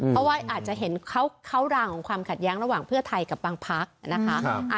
เพราะว่าอาจจะเห็นเขารางของความขัดแย้งระหว่างเพื่อไทยกับบางพักนะคะ